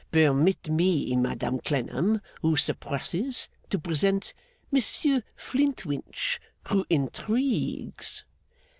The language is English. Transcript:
Permit me, Madame Clennam who suppresses, to present Monsieur Flintwinch who intrigues.